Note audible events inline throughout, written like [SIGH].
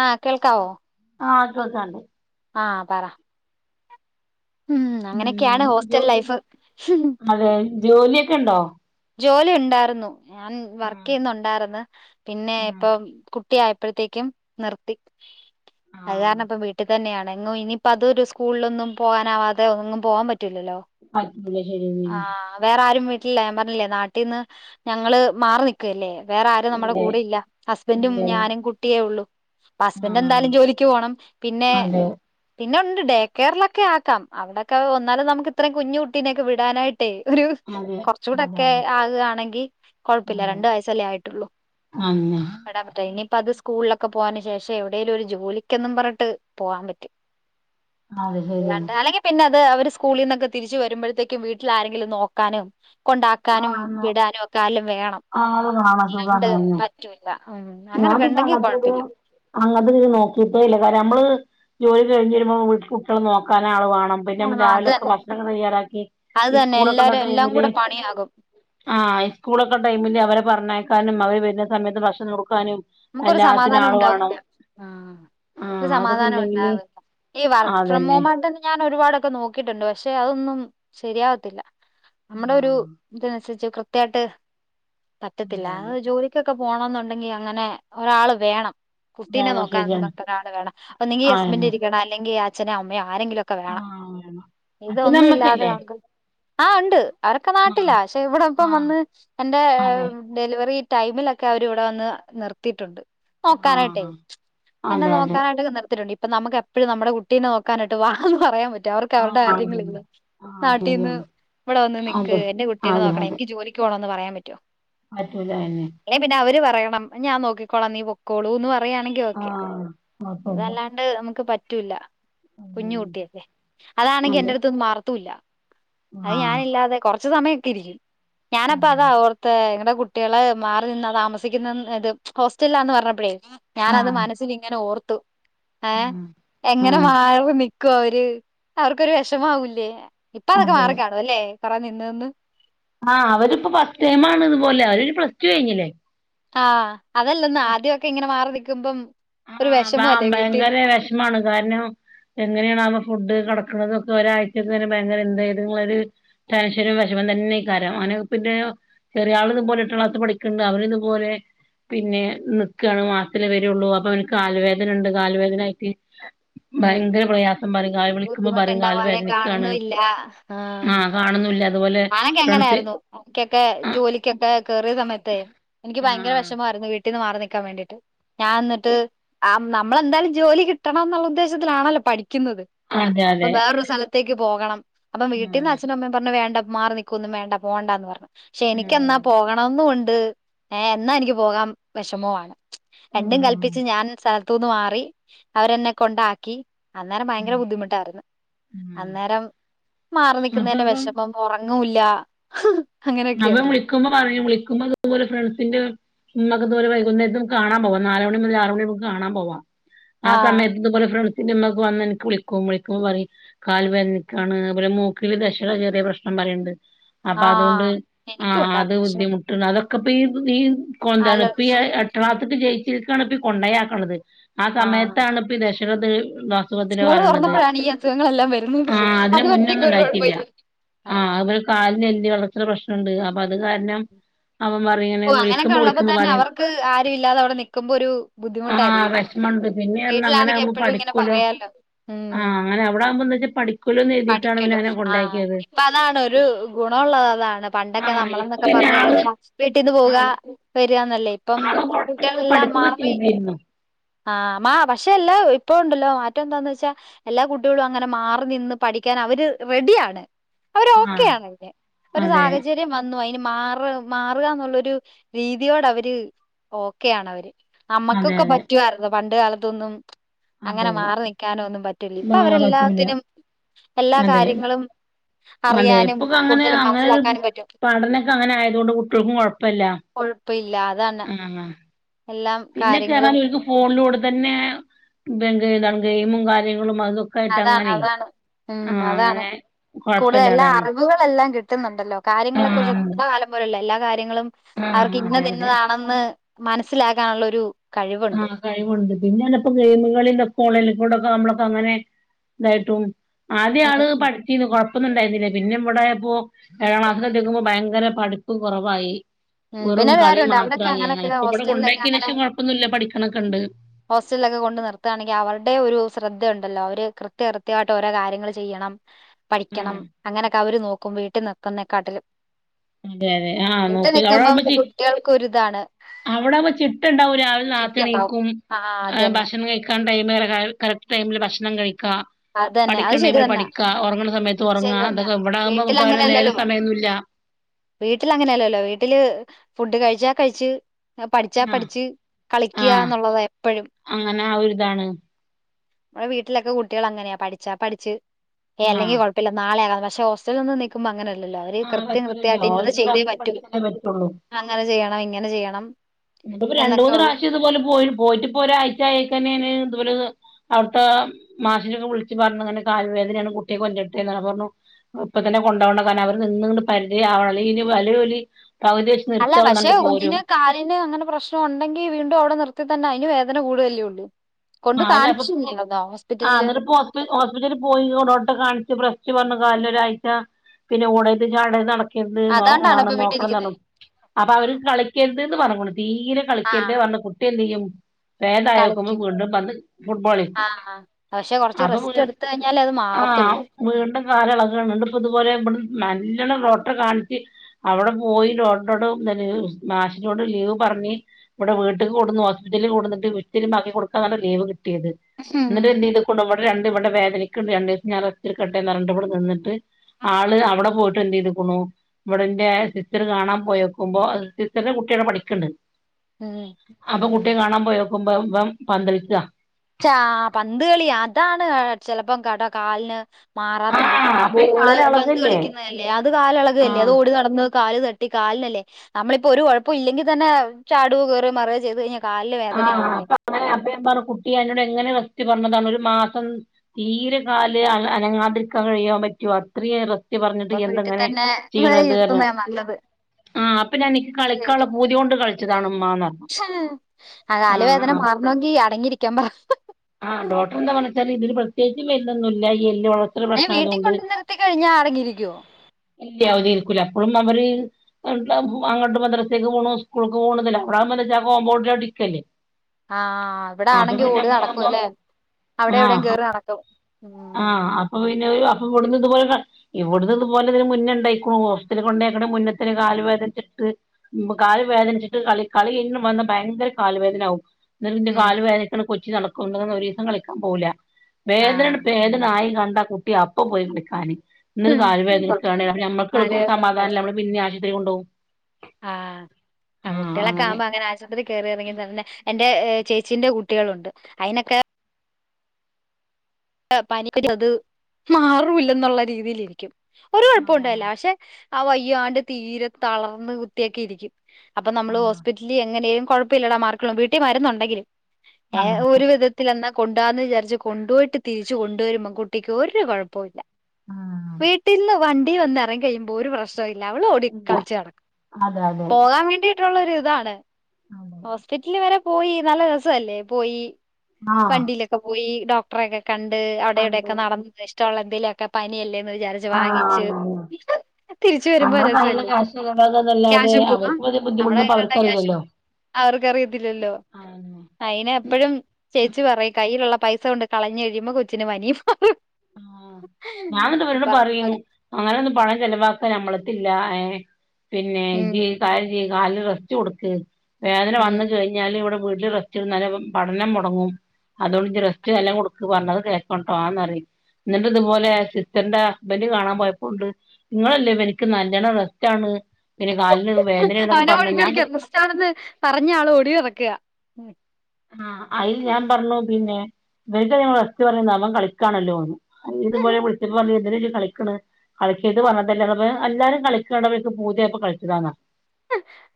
ആ കേൾക്കാവോ? കേൾക്കാണ്ട്. ആ പറ? ഉം അങ്ങനക്കെയാണ് ഉം ജോ ഹോസ്റ്റൽ ലൈഫ്? അതെ ജോലിയൊക്കെ ണ്ടോ? ജോലി ഉണ്ടാരുന്നു. ഞാൻ വർക്ക് ആഹ് ചെയ്യുന്നു ഉണ്ടാരുന്നു, പിന്നെ ആഹ് ഇപ്പംകു ട്ടി ആയപ്പോഴത്തേക്കും നിർത്തി അത് ആഹ് കാരണം ഇപ്പം വീട്ടി തന്നെയാണ്. ങ്ങോ ഇനിയിപ്പോ അതൊരു സ്കൂളിലൊന്നും പോകാനാവാതെ എ ങ്ങും പോകാൻ പറ്റു ലല്ലോ? പറ്റൂല ശരിയെന്നെ ആ വേറാരും വീ ട്ടില്ല. ഞാൻ പറഞ്ഞില്ലേ നാട്ടീന്ന് ഞങ്ങള് മാറി നിക്കുവല്ലേ? വേറെ ആരും നമ്മുടെ അതെ കൂടെ ഇല്ല. ഹസ്ബൻറും, ഇല്ലേ ഞാനും, കുട്ടിയേ ഒള്ളു. അ ഹസ്ബന്റ് ആഹ് എന്തായാലും ജോലിക്ക് പോണം പിന്നെ അതെ പിന്നെ ണ്ട് ഡേക്കേറിലൊ ക്കെ ആക്കാം. അവിടൊക്കെ ന്നാലും നമുക്ക് ഇത്രയും കുഞ്ഞു കുട്ടീനെക്കെ വിടാനായി ട്ടെ ഒരു അതെ കുറച്ചൂടെ അതെ ഒക്കെ അതെ ആ ക് വാണെങ്കി കൊഴപ്പില്ല അതെ രണ്ട്‌ വയസ്സല്ലേ ആയിട്ടുള്ളൂ? അങ്ങനെ പടാ പട്ടായി നിപ്പ അത് സ് കൂളിലൊക്കെ പോകാന് ശേഷം എവിടെലും ഒരു ജോലിക്കന്നും പറഞ്ഞിട്ട് പോവാൻ പറ്റും. അ അത് ശരിയാണ്. അല്ലാണ്ട് അല്ലെങ്കിൽ പിന്നെ അവര് സ്കൂളിൽ നിന്നൊക്കെ തിരിച്ച്‌ വരുമ്പോഴത്തേക്കും വീട്ടിൽ ആരെങ്കിലും നോക്കാനും കൊണ്ട ക്കാനും ആഹ് വിടാനും ഒക്കെ ആരേലും വേണം. ആള് കാണാൻ അല്ലാണ്ട് സുഖാണേനും പറ്റൂല്ല ഉം ഞാൻ അങ്ങനൊക്കെ പിന്നെ ഉണ്ടെങ്കിൽ അങ്ങത്തൊരു കുഴപ്പമില്ല അങ്ങത്തെ ഇ നോക്കിട്ടേ ഇല്ല. കാരണം നമ്മള് ജോലി കഴിഞ്ഞ് വരുമ്പോ വീട്ട് കുട്ട്യോളെ നോക്കാനാ ആള് വാ ണ്ണം പിന്നെ നമ്മൾ ആ അത് രാവിലെ ഒക്കെ തന്നെ ഭക്ഷണം തയ്യാറാക്കി. അത് ഈ തന്നെ സ്കൂളൊക്കെള്ള എല്ലാരും എല്ലാം ടൈമില് കൂടെ പണിയാകും ആ സ്കൂളൊക്കെ ടൈമില് അവരെ പറഞ്ഞയക്കാനും. അവര് വരുന്ന സമയത്ത് ഭക്ഷണം കൊ നമുക്കൊരു സമാധാനം ഉണ്ടാവൂല്ല. ഒരു ആഹ് അതൊക്കെ സമാധാനം ഇല്ലെങ്കില് ഉണ്ടാവില്ല. ഈ വർക് ഫ്രം ഹോ അതന്നെ ആയിട്ട് ഞാൻ ഒരുപാട് ക്കെ നോക്കിയിട്ടുണ്ട്. പക്ഷെ അതൊന്നും ശരിയാവത്തില്ല. നമ്മുടെ ഒരു ആഹ് ഇതനുസരിച്ച് കൃ ത്യായിട്ട് പറ്റത്തില്ല. അതെ അതെ അ ജോലിക്കൊക്കെ പോണംന്നുണ്ടെങ്കി അങ്ങനെ ഒരാള് വേണം കുട്ടിനെ വേണം നോക്കാൻ. ശരിയാണ് തക്ക ഒരാൾ വേണം. ഒന്നങ്കിഹസ്ബന്റ് ആയെന്നെ ഇരിക്കണം. അല്ലെങ്കി അച്ഛനോ അമ്മയോ ആരെങ്കിലുക്കെ വേണം. ആഹ് വേണം ഇതൊന്നുംല്ലാതെ അച്ഛനമ്മക്കില്ലേ നമ്മക്ക് ആ ഉണ്ട്. അവരൊക്കെ ആഹ് നാട്ടില്ലാ. പക്ഷെ ഇവിടെ ഇപ്പം ആഹ് വന്ന് എന്റെ അതെ ഡെലിവറി ടൈമിലൊക്കെ അവര് ഇവിടെ വന്ന് നിർത്തിയിട്ടുണ്ട്. നോക്കാനായിട്ടേ. ആഹ് എന്നെ അതെ അതെ നോക്കാനായിട്ട് നിർത്തിട്ടുണ്ട്. പ്പ നമുക്ക്പ്പോഴും നമ്മുടെ കുട്ടീനെ നോക്കാനായിട്ട് വാ ന്ന് പറയാൻ പ റ്റോ അവർക്ക് അവരുടെ ആഹ് കാര്യങ്ങൾ അതന്നെ ഇല്ലേ? ആഹ് നാട്ടിന്ന് ശരിയാണ് ഇവിടെ വന്ന് നിക്ക്. അതെ എന്റെ കുട്ടീനെ നോക്കണം. എനിക്ക് ജോലിക്ക് പോണം. എന്ന് പറയാൻ പറ്റോ? പറ്റുല അഎന്നെ അല്ലെ പിന്നെ അവര് പറയണം. ഞാൻ നോക്കിക്കോളാം? നീ പൊക്കോളൂന്ന് പറയാണെങ്കി ഓക്കെ ആഹ് കൊഴപ്പല്ല ഇതല്ലാണ്ട് നമുക്ക് പ റ്റൂല്ല കുഞ്ഞ് കുട്ടിയല്ലേ? അതാണെങ്കി അതെ എന്റെ അടുത്ത്ന്നും മാറത്തൂല്ല. അഹ് ആഹ് ഞാനില്ലാതെ കുറച്ചു സമയൊക്കെ ഇരിക്കും. ഞാനപ്പ അതെ അതാ ഓർത്തെ എങ്ങട്ടാ കു കുട്ടികള് മാറി നിന്നാ താമസിക്കുന്നത്. ഹോസ്റ്റലിലാന്ന് പറഞ്ഞപ്പഴേ? ഞാനത് ആഹ് മനസ്സിൽ ഇങ്ങനെ ഓർത്തു. ഏ ആഹ് എങ്ങനെ ആഹ് മാറി നി ക്കുവോ അവര്? അവർക്കൊരു വെഷമാവൂല്ലേ? ഇപ്പൊ അതൊക്കെ മാറി കാണു അല്ലെ കൊറെ നിന്ന് ന്ന് ആ അവരിപ്പോ ഫസ്റ്റ് ടൈം ആണിതുപോലെ അവരു പ്ലസ്ടു കഴിഞ്ഞിലേ ആ അതല്ലന്ന് ആദ്യോക്കെ ഇങ്ങനെ മാറി നിക്കുമ്പം. ആ ഒരു അ വിഷമല്ലേ വീട്ടിൽ ഭയങ്കര വിഷമാണ്. കാരണം എങ്ങനെയണാവോ ഫുഡ് കടക്കണതൊക്കെ ഒരാഴ്ചതെ ഭയങ്കര എന്ത ഇത് പൊലെ ടെനഷനും വിഷമം തന്നെയ്ക്കാരം പ്ന് പിന്നെ ചെറിയ ആള് ഇതു പോലെ എട്ടാ ക്ലാസ്സി പഠിക്കണ്ട് അവനിത് പോലെ പിന്നെ നിക്കാണ്. മാസത്തില വരുള്ളൂ. അപ്പൊ അവന് കാല് വേദന ണ്ട്. കാല് വേദന ആയിട്ട് ഉം ഭയങ്കര പ്രയാസം പറയും. കാല് വിളിക്കുമ്പോ പറയും. ബുദ്ധിമുട്ടുണ്ടാവും കാല് ആരെയും വേദനിക്കാണ് കാണുന്നുമില്ല ആ കാണുന്നുല്ല. അതുപോലെ ഫ്രണ്ട്സ് ആയെങ്കിഅങ്ങനാര്ന്നു ഒക്കെക്കെ ആഹ് ജോലിക്കൊക്കെ കേറിയ സമയത്ത്, എനിക്ക് ഭയങ്കര ആഹ് വിഷമായിമായിരുന്നു. വീട്ടിന്ന് മാറി നി ക്കാൻ വേണ്ടിട്ട്. ഞാന്നിട്ട്, നമ്മളെന്തായാലും ജോലി കിട്ടണം ന്നുള്ള ഉദ്ദേശത്തിലാണല്ലോപഠി ക്കുന്നത് അതെ അപ്പം അതെ വേറൊരു സ്ഥലത്തേക്ക് പോകണം അപ്പം വീട്ടീന്ന് ആഹ് അച്ഛനും അമ്മയും പറഞ്ഞു വേണ്ട മാറി നിക്കൊന്നും വേണ്ട. പോവണ്ടാന്ന് പറഞ്ഞു. ക്ഷെ ഉം എനിക്കന്നാ പോകണന്നു ണ്ട് ഏ എന്നാ എനിക്ക് പോകാൻ വിഷമൊ ആണ് രണ്ടും ഉം കല്പ്പിച്ച് ഞാൻ സ തൂന്നു മാറി അവരെന്നെ കൊണ്ടാക്കി അന്നേരം ഉം ഭയങ്കര ബുദ്ധിമുട്ടാരുന്നു. ഉം അന്നേരം മാറി അപ്പൊ നിക്കുന്നതിന്റെ അപ്പം വെഷമം ഉറങ്ങുല്ല ഹ് നമ്മള് വിളിക്കുമ്പോ പറയും. വിളിക്കുമ്പോ അതുപോലെ ഫ്രണ്ട്സിന്റെ മ്മക്ക് ത് വരെ വൈകുന്നേരത്തും, കാണാ പോവാ നാല് മണി മുതൽ ആറ് മണിവരെ കാണാ പോവാം. ആ ആഹ് സമയത്ത് ഇതുപോലെ ഫ്രൻ സിനിമക്ക് വന്ന എനിക്ക് വിളിക്കും വിളിക്ക്മ്പ പറീം കാൽ വേദനിക്കാണ്, അതുപോലെ മൂക്കില് ദശ ചെറിയ പ്രശ്നം പറയണണ്ട്. അപ്പൊ അതുകൊണ്ട് ആഹ് ആ എനിക്കും ഉണ്ട് അത് പ്രശ്നം ബുദ്ധിമുട്ട്ണ്ട് അതൊക്കെപ്പ ഈ ഈ കൊന്താണ് ഇപ്പീ അലർജി എട്ടാക്ലാസിക്ക് ജയിച്ചിരിക്കാണ് പ്പി കൊണ്ടയാക്കണത് ആ ആഹ് സമയത്താണ് പ്പി ദശ ചെറുത് അസുഖത്തിന് സ്കൂള് വരണത് തുറന്നപ്പോഴാണ് ഈ അസുഖങ്ങളെല്ലാം വരുന്നത് ആ അത് അതിന് വരത്തേക്ക് ഒരു മുന്നൊന്നുണ്ടായിട്ടില്ല കുഴപ്പമില്ല ആ അഹ് പെ കാലിന് എല്ലുവളർച്ചടെ പ്രശ്നണ്ട് അപ്പൊ അത് കാരണം അവൻ പറയാണ്‌ ഓ അങ്ങനെയൊക്കെ വിളിക്കുമ്പോ ഉള്ളപ്പോ വിളിക്കുമ്പോ തന്നെ പറയും അവർക്ക് ആരും ഇല്ലാതെ അവിടെ നിക്കുമ്പോ ഒരു ആ ബുദ്ധിമുട്ടായിരിക്കും. വെഷ്മ ണ്ട് വീട്ടിലാണെങ്കി പിന്നെയൊന്നങ്ങനാകുമ്പോ എപ്പഴും ഇങ്ങനെ പഠിക്കുലോ പറയാലോ. ഉം. ആ അങ്ങനെ അവിടാവുമ്പോ ന്നുവെച്ചാ പഠിക്കുലോ ന്നെരുതീട്ടാണ് കേട്ടോ ആ ഇപ്പതാണ് ഒരു ഗുണൊള്ളത് അതാണ് പണ്ടൊക്കെ ആഹ് ഇപ്പൊ നമ്മളതൊക്ക പിന്നെ പറഞ്ഞ് ആള് കഴിഞ്ഞാ വീട്ടിന്ന് പോകാ ആഹ് വെ ര്യാന്നല്ലേ ഇപ്പം ആള് ഇപ്പൊ കൊഴപ്പല്ലാതെ കുട്ട്യേളെല്ലാം പഠിക്കൊക്കെ മാറി ചെയ്തിരുന്നു ആ മാ പക്ഷേല്ലാവ് ഇപ്പോണ്ടല്ലോ മാറ്റം ന്താന്ന് വെച്ചാ എല്ലാ കുട്ടികളും അങ്ങനെ മാറി നിന്ന് പഠിക്കാൻ അവര് റെഡിയാണ് അവര് ആഹ് ഓക്കെയാണ്പിന്നെ ഒരു അതെ സാഹചര്യം വന്നു അയിന് മാറ് മാ മാറുകാന്നുള്ളൊരു രീതിയോട് അവര് ഓക്കെ ആണവര് അതെ നമ്മക്കൊക്കെ അതെ പറ്റുവാരുന്നു പണ്ട് കാലത്തൊന്നും അങ്ങനെ അതെ മാറി നിക്കാനോ ഒന്നും പറ്റില്ല ഇപ്പൊ ആഹ് പറ്റൂല അവരെല്ലാത്തിനും എല്ലാ അതെ കാര്യങ്ങളും അതെ അറിയാനും ഇപ്പൊക്കെ അങ്ങനെ കൂടുതലും അങ്ങനെ ഒരു മനസ്സിലാക്കാനും പറ്റും പഠനൊക്കെ അങ്ങനെ ആയതോണ്ട് കുട്ടിയോൾക്കും കൊഴപ്പല്ലാ കൊഴപ്പയില്ല അതാണ് ആ എല്ലാം പിന്നെ കാര്യങ്ങളും കേറാലും ഇവർക്ക് ഫോണിലൂട തന്നെ ബെങ്കെയ്താണ് ഗെയിമും കാര്യങ്ങളും അതാണ് അതൊക്കായിട്ടങ്ങനെ അതാണ് ഉം അതാണ് കൂടുതൽ എല്ലാ അറിവുകളെല്ലാം കിട്ടുന്നുണ്ടല്ലോ കാര്യങ്ങളെക്കൊരു ആഹ് നമ്മള കാലം പോലല്ലാ എല്ലാ ട്ടികളും അവർക്ക് ആഹ് അതെ ഇന്നതി അതെ ന്നതാണെന്ന് മനസിലാക്കാൻ ഉള്ളൊരു ആ കഴിവുണ്ട് പിന്നെലപ്പോ ഗെയിമുകളിതൊക്കെ ഓൺ ലൈനിൽ കൂടൊക്ക നമ്മളൊക്ക അങ്ങനെ തായിട്ടും ആദ്യ ആള് ഉം പഠിച്ചിന്ന് കൊ ഴപ്പൊന്നുണ്ടായിരുന്നില്ല പിന്നെ ഇവിടെപ്പോ ഏഴാം ക്ലാസിലെത്തിയപ്പോ ഭയങ്കര പഠിപ്പും കുറവായി ഉം വെറും പിന്നെ വേറെ കളി ഒണ്ട് അവിടെക്കെ മാത്രമായി അങ്ങനെ അങ്ങനെക്കെ ഇപ്പ ഇവിടെ ഹോസ്റ്റലിലൊക്കെ കൊണ്ടാക്കിയേന് അങ്ങനെ ശേഷം കൊഴപ്പൊന്നുല്ല പഠിക്കണൊക്കെ ഉണ്ട് ഹോസ്റ്റലിലൊക്കെ കൊണ്ട് നിർത്താണെങ്കി അവൾടെ ഒരു ശ്രദ്ധയൊണ്ടല്ലോ അവര് കൃത്യ കൃത്യായിട്ട് ഓരോ കാര്യങ്ങൾ ചെയ്യണം പഠിക്കണം അങ്ങനെയൊക്കെ അവര് നോ ക്കും വീട്ടിൽ നിർത്തുന്നേ കാട്ടിലും അതെ അതെ ആഹ് നോക്കൂ അവടെ ആവമ്പ ചി കുട്ടികൾക്ക് ഒരിതാണ് അവിടാവുമ്പം ചിട്ടണ്ടാവും രാവിലെ നേർത്തെ ചുറ്റുണ്ടാവും എണീക്കും ആ അത് തന്നെ ഭക്ഷണം കഴിക്കാൻ ടൈമ് കറക്ട് ടൈമില് ഭക്ഷണം കഴിക്കാ അത് തന്നെ അത് ശരി പഠിക്കേണ്ടടൈമിൽ തന്നെ പഠിക്കാ ഉറങ്ങണ സമയത്ത് അത് ശരി ഉറങ്ങാ തന്നെ ഇതൊക്ക ഇവിടെ ആകുമ്പോ നമുക്ക് അവരെ നേരെ സമയം ഒന്നുല്ല വീട്ടിലങ്ങനെയല്ലല്ലോ വീട്ടില് ഫുഡ് കഴിച്ചാ കഴിച്ച് പഠിച്ചാ പഠിച്ച് കളിക്കുകാ ആഹ് എന്നുള്ളതാ എപ്പഴും അങ്ങനെ ആ ഒരിതാണ് നമ്മടെ വീട്ടിലൊക്കെ കുട്ടികൾ അങ്ങനെയാ പഠിച്ചാ പഠിച്ച് ഏ അല്ലെങ്കി ആഹ് കൊഴപ്പില്ല നാളെ ആവാ പക്ഷേ ഹോസ്റ്റലിലൊന്നു നിക്കുമ്പം അങ്ങനല്ല ല്ലല്ലോ അവര് ആഹ് കൃത്യം പറ്റൂലല്ലോ കൃത്യമായിട്ട് ഇന്നത് ഓൽത് ചെയ്തേ കറക്റ്റ് പറ്റൂ പഠിച്ചല്ലേ പറ്റുള്ളൂ അങ്ങനെ ചെയ്യണം ഇങ്ങനെ ചെയ്യണം ഇനിപ്പാ രണ്ട് എന്നൊക്കെ മൂന്ന് ഉള്ള പ്രാവശ്യം ഇതുപോലെ പോയി പോയിറ്റിപോ ഒരാഴ്ച ആയ്ക്കണേന്ന് അതുപോലെത് അവിടുത്തെ മാഷിനൊക്കെ വിളിച്ച് പറഞ്ഞങ്ങനെ കാല് വേദനയാണ് കുട്ടിയെ കൊല്ലട്ടേന്ന് പറഞ്ഞപ്പോ പറണു ഇപ്പ തന്നെ കൊണ്ട് പോകണ്ട കാരണം അവര് നിന്ന് കൊണ്ട് പരിചയാവണം അല്ലങ്കി ഇനി വലിയോലി പകുതിവർഷം നിർത്താന്നൊണ്ടു പോരും അതിന് അങ്ങനെ പ്രശ്നം ഉണ്ടെങ്കിൽ വീണ്ടും അവിട നിർത്തിത്തന്നെ അയിന് വേദന കൂടുവല്ലേള്ളൂ ആല്ല അപ്പൊ ഹോസ്പിറ്റലില് ആങ്ങന ഹോസ്പി ഹോസ്പിറ്റല് പോയിയ്യോ ഡോറ്റ കാണിച്ച് പ്ര ച്ച് പറഞ്ഞ് കാലിനൊരു ഒരാഴ്ച പിന്നെ ഓടര്ത് ചാടര്ത് അന്നക്ക ക്കിത് നോ അതാണ്ടാണ് ജ്ഞാനം ഇപ്പൊ നോക്കണം പറഞ്ഞു വീട്ടിരിക്കുന്നത് അപ്പൊ അവര് കളിക്കരുത് ന്ന് പറണു തീരെ കളിക്കണ്ടേ ആഹ് പറണ് കുട്ടി എന്തെചെയ്യും ഭേദായക്കുമ്പോ കളിക്കും വീണ്ടും വത് ഫുട്ബോളിക്കും ആഹ് പക്ഷെ കൊറച്ച് അപ്പൊ റെസ്റ്റ് വീൺ എടുത്ത് കഴിഞ്ഞാലേ അത് ആ മാറത്തുള്ളൂ വീണ്ടും കാല് എളകണുണ്ട്പ്പതുപോലെ വ്ണ് നല്ലോണം ഡോട്ടറെ കാണിച്ച് അവിടെ പോയി ഡോട്ടറോട് എന്തര് മാശിനോട് ലീവ് പറഞ്ഞ ന് ഇവിടെ വീട്ടിക്ക് കൊണ്ടുന്നു ഹോസ്പിറ്റലിൽ കൂടുന്നിട്ട് വിട്ടില് ബാക്കി കൊടു ക്കങ്ങന ലീവ് കിട്ടിയത് ഉം എന്നിട്ട് എന്ത് ചെയ്ത് കൊണ്ടോവിടെ രണ്ട് ഇവിടെ വേദനക്കുണ്ട് രണ്ടീസം ഞാൻ റസ്റ്റ്‌ എടുക്കട്ടേന്ന് പറഞ്ഞിട്ട് ഇവിടെ നിന്നിട്ട് ആള് അവിടെ പോയിട്ട് എന്തെടുക്കുണു ഇവിടെന്റെ സിസ്റ്റർ കാണാൻ പോയോക്കുമ്പോ സിസ്റ്ററിന്റെ കുട്ടിയടെ പഠിക്കണ്ട് ഉം. അപ്പൊ കുട്ടി കാണാൻ പോയർക്കുമ്പോം ഇവൻ പന്തളിച്ചാ പന്തുകളി അതാണ് ചെലപ്പം കട കാല്ന് മാറാത്തത് ആഹ് അപ്പൊ ഈ ബോള് പന്ത് കാലളകില്ലേ കളിക്കുന്നല്ലേ അത് കാലളകല്ലേ ആഹ് അത് ഓട് നടന്ന് കാല് തട്ടി കാലിനല്ലേ അമ്മളിപ്പോ ഒരു കുഴപ്പ ഇല്ലെങ്കിൽ തന്നെ ചാടു കയറി മറയ ചെയ്ത് കഴിഞ്ഞ ആ അപ്പങ്ങനെ അപ്പ പറ എന്നോട് എങ്ങനെ റസ്റ്റ് പറഞ്ഞതാണ് ഒരു മാസം തീരെകാല് അന അനങ്ങാതിരിക്കാൻ കഴിയാ പറ്റു അത്രീ ഞാൻ റസ്റ്റ്‌ പറഞ്ഞിട്ട് ഇപ്പം വീട്ടിൽ യെന്താങ്ങനെ തന്നെ ചെയീയണത് കാരണം ഇരുത്തുന്നതാ നല്ലത് ആ അപ്പ ഞാനിക്ക് കളിക്കാനുള്ള പൂതി കൊണ്ട് കളിച്ചതാണുമ്മാന്ന് പറഞ്ഞ ആ കാല് വേദന മാറണമെങ്കി അടങ്ങിയിരിക്കാൻമ്പാ ഇതില് പ്രത്യേയിച്ച് മെര്ന്നൊന്നുല്ല്യ ഈ എല്ല് [UNINTELLIGIBLE] ഏ വീട്ടിൽ പ്രശ്നായതോണ്ട് കൊണ്ട് നിർത്തി കഴിഞ്ഞാൽ അടങ്ങിയിരിക്കുവോ ല്ലാവതിരിക്കൂല അപ്പോഴും അവര് അങ്ങോട്ട് മദ്രസേക്ക് പോണൊ സ്കൂൾക്ക് പോകണ അവിടെ [UNINTELLIGIBLE] [UNINTELLIGIBLE] ആ ഇവിടാണെങ്കി ഓടി അങ്ങനാവുമ്പം നടക്കുല്ലെ അവിടെവിടെം കേറി നടക്കും ഉം ആഹ അപ്പൊ പിന്നെ അപ്പ ഇവിടുന്ന ഇത്പോലന്നെ ഇവടന്ന് ഇതുപോലെ ഇതിന് മുന്നേണ്ടേയ്ക്കൂ ഓസ്പിറ്റ കൊണ്ടേയ്ക്കടെ മുന്നേത്തിന് കാല വേദന്ച്ചി ട്ട് കാല് വേദനിച്ചിട്ട് കളി കളിഞ്ഞ് വന്നാ ഭയങ്കര കാല് വേദനാവും ന്ന്ട്ടിന്റെ ഉം കാല് വേനിക്കണ് കൊച്ചി നടക്കുന്നുണ്ട ഒരീസം കളിക്കാൻ പോവുല്ല്യ വേദന കായി കണ്ട കുട്ടിയപ്പോ പോയി കുളിക്കാന് ന്നൊരു കാല് വേദനിക്കാണ് പ്പെ ഞമ്മക്കൊ ആ സമാധാനംല്ല്യ നമ്മള് പിന്നെ ആശുപത്രി കൊണ്ടോവു ആഹ് ആ കുട്ട്യേളൊക്കെ ആവുമ്പോ അങ്ങനെ ആശുപത്രി കയറി ഇറങ്ങി തന്നെ എ ൻ്റെ ചേച്ചിന്റെ കുട്ടികളുണ്ട് അയിനൊക്കെ പനിക്കതത് മാറില്ലെന്നുള്ള രീതിലിരിക്കും ഒരു കൊഴപ്പുഉണ്ടായില്ല ആഹ് പക്ഷെ ആ വയ്യാണ്ട് തീരെത്ത തളർന്ന് കുത്തിയാക്കെ ഇടിക്കും അപ്പൊ നമ് ആഹ് ഏ അതെ ഒരു വിധത്തിലെന്നാ കൊണ്ടാന്ന് വിചാരിച്ച് കൊണ്ടുപോയിട്ട് തിരിച്ച് കൊണ്ടുവരമ്പം കുട്ടിക്ക് ഒരു കുഴപ്പില്ല ആഹ് വീട്ടീന്ന് വ ണ്ടി വന്ന് എറങ്ങി കഴിയുമ്പോ ഒരു പ്രശ്ന ഇല്ല അവള് ഓടി ഇല്ല കളിച്ച്ടക്കും അതെ അതെ പോകാൻ വേണ്ടി ട്ടുല്ലൊരു ഇതാണ് അതെ ഹോസ്പിറ്റ്ല് വരെ പോയി നല്ല രസല്ലേ പോയി ആഹ് വണ്ടിയിലൊക്കെ പോയി ഡോക്ടറെക്കെ കണ്ട് അവിടെ കണ്ട് ഇവിടെക്കെ നടന്ന് ഇഷ്ടവുള്ള ഇതിലൊക്കെ പനിയല്ലേന്ന് വിജാരിച്ച് ആഹ് വാങ്ങിച്ച് അതന്നെ തിരിച്ച് വരുമ്പോ നമ്മളെ കയ്യിലെ രസവല്ലോ കാശ് ചെലവാക്കാന്നല്ലാതെ ക്യാഷും പോവാ അവർക്ക് വലിയ നമ്മടെ ബുദ്ധിമുട്ടൊന്നും ഇപ്പ കയ്യിലണ്ട ക്യാഷും അവർക്കറിയില്ലല്ലോ അവർക്കറിയത്തില്ലല്ലോ അയന്നെ അയിനെ എപ്പഴും ചേച്ചി പറയു കയ്യിലുള്ള പൈസ കൊണ്ട് കളഞ്ഞ് കഴിയുമ്പോ കൊച്ചിന് മനീം മാറു ആ ഞാന്നിട്ടവരോട് പറഞ്ഞ പറയു പോലെ അങ്ങനെ ഒന്ന് പണം ചെലവാക്കാ ഞമ്മള ട്ത്തില്ല ഏ പിന്നെ ഉം ജീകാര്യംചെയ് കാല്ന് റസ്റ്റ്‌ കൊടുക്ക വേദന ഉം വന്ന് കഴിഞ്ഞാല് ഇവിടെ വീ ട്ടില് റെസ്റ്റ് ന്നാലെ ഇവ പഠനം മൊടങ്ങും അതോണ്ട് ജി റെസ്റ്റ് നല്ലോം കൊടുക്ക് പറഞ്ഞത് കേട്ടോൺട്ടോ ആന്നറി ന്നിട്ട് ഇതുപോലെ സിസ്റ്ററിന്റെ ഹസ്ബന്ഡ് കാണാൻ പോയപ്പോണ്ട് ഇങ്ങളല്ലേ ഇവന്ക്ക് നല്ലവണം റെസ്റ്റ് ആാണ് അവന് ഓടി കളിക്കാറസ്റ്റാണെന്ന് പറഞ്ഞ ആള് ഓടി ഇറക്ക ആ അതിൽ ഞാൻ പറഞ്ഞു പിന്നെ ഇവര്ത് റസ്റ്റ് പറയുന്ന അവൻ കളിക്കാണല്ലോന്ന് അ ഇത് പോയ [UNINTELLIGIBLE] ഇവരല്ലേ കളിക്കണ് കളിക്കത് പറഞ്ഞതല്ല എല്ലാരും കളിക്കണ്ടക്ക് പൂതിയപ്പൊ കളിച്ചതാന്ന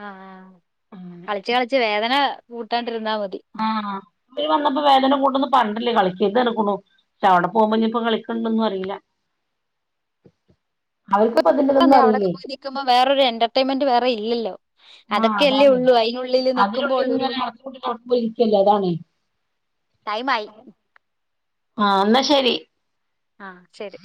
ആ കളിച്ചു കളിച്ചു വേദന കൂട്ടാണ്ടിരുന്നാ മതി പ്പോയി വന്നപ്പോ വേദന കൂട്ടൊന്നു പറഞ്ഞിട്ടല്ലേ കളിക്കർത്തുക്കുനു പക്ഷെ അവടെ പോകുമ്പോ ഇനിപ്പോ കളിക്കണ്ടന്നു അറിയില്ല [INAUDIBLE] അവർക്കിപ്പോ ഇതിന്റെ ഇതൊന്നും [UNINTELLIGIBLE] അവിടൊക്കെ അറിയില്ലേ പോയിനിക്കുമ്പോ വേറൊരു എന്റർടൈൻമെന്റ് വേറെ ഇല്ലല്ലോ ആഹ് അതൊക്കെ അല്ലേ അതാണേ ഉള്ളൂ, അയിനുള്ളില് അതിനുള്ളിൽ നിക്കുമ്പോള്ളൊരു ഇങ്ങനെ അടച്ച് പൂട്ടി ഇരിക്കല്ലേ അതാണേ ടൈമായി. ആഹ് എന്നാ ശരി. ആ ശരി